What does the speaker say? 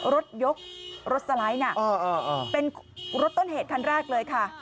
รถยกรถสไลด์น่ะเป็นรถต้นเหตุคันแรกเลยค่ะ